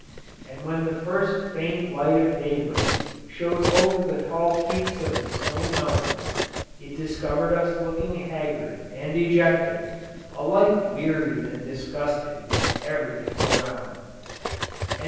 And when the first faint light of daybreak showed over the tall peaks of the snowy mountains, it discovered us looking haggard and dejected, alike wearied and disgusted with everything around.